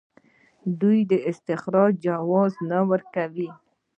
آیا دوی د استخراج جواز نه ورکوي؟